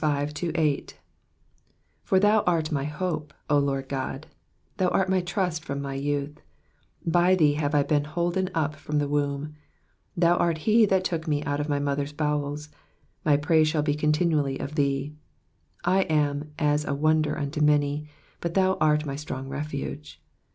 5 For thou art my hope, O Lord GOD : t/wu art my trust from my youth. 6 By thee have I been holden up from the womb : thou art he that took me out of my mother's bowels : my praise shall be continually of thee. 7 I am as a wonder unto many ; but thou art my strong refuge.